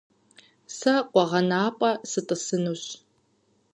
Сэ къуэгъэнапӏэ сытӏысынущ.